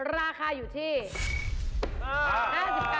ราคาอยู่ที่๕๙บาท